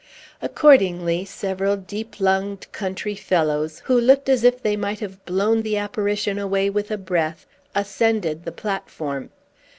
Accordingly, several deep lunged country fellows, who looked as if they might have blown the apparition away with a breath, ascended the platform.